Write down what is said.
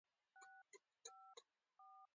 شهسوار خان يودم وټوخل.